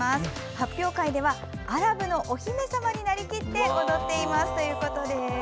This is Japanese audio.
発表会ではアラブのお姫様になりきって踊っていますということです。